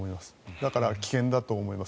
だから、危険だと思います。